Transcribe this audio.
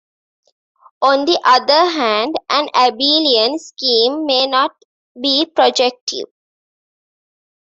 On the other hand, an abelian scheme may not be projective.